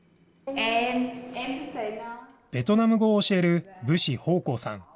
ベトナム語を教える武氏芳恒さん。